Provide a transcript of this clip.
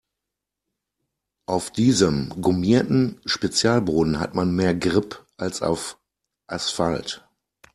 Auf diesem gummierten Spezialboden hat man mehr Grip als auf Asphalt.